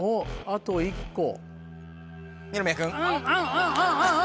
あと１個？